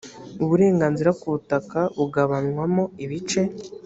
uburenganzira ku butaka bugabanywamo ibice